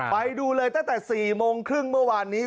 ไปดูเลยตั้งแต่๔โมงครึ่งเมื่อวานนี้